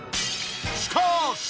しかーし！